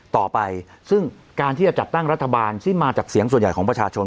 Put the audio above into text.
ต่อไปซึ่งการที่จะจัดตั้งรัฐบาลที่มาจากเสียงส่วนใหญ่ของประชาชน